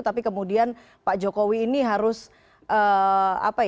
tapi kemudian pak jokowi ini harus apa ya